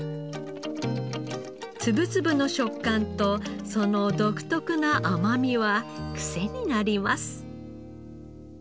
つぶつぶの食感とその独特な甘みはクセになります。